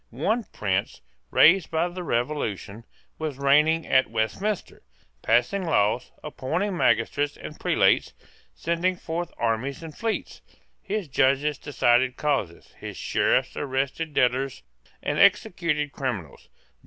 One prince, raised by the Revolution, was reigning at Westminster, passing laws, appointing magistrates and prelates, sending forth armies and fleets. His judges decided causes. His Sheriffs arrested debtors and executed criminals.